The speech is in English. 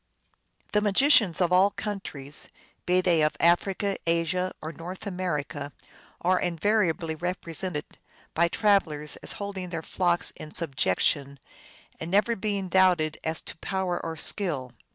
The magicians of all countries, be they of Africa, Asia, or North America, are invariably represented by travelers as holding their flock in subjection, and never being doubted as to power or skill.